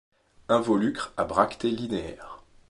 Involucre à bractées linéaires.